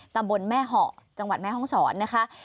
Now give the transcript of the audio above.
ตำบลแม่เหาะจังหวัดแม่ห้องศรนะคะ